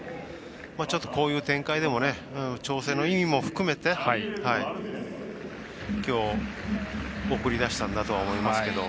ちょっと、こういう展開でも調整の意味も含めてきょう、送り出したんだとは思いますけど。